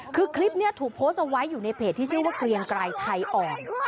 คือคลิปนี้ถูกโพสต์เอาไว้อยู่ในเพจที่ชื่อว่าเกรียงไกรไทยอ่อน